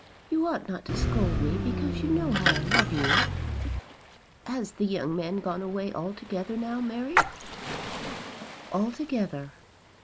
You ought not to scold me, because you know how I love you." "Has the young man gone away altogether now, Mary?" "Altogether."